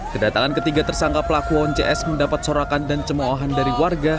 kedatangan ketiga tersangka pelaku on cs mendapat sorakan dan cemoahan dari warga